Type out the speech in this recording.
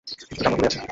কিছুটা চামড়া পুড়ে আছে!